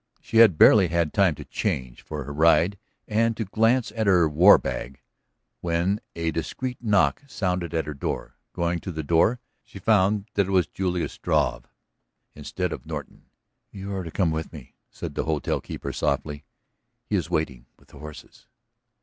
She had barely had time to change for her ride and to glance at her "war bag" when a discreet knock sounded at her door. Going to the door she found that it was Julius Struve instead of Norton. "You are to come with me," said the hotel keeper softly. "He is waiting with the horses."